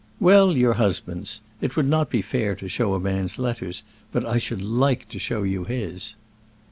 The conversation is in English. "Well, your husband's. It would not be fair to show a man's letters; but I should like to show you his."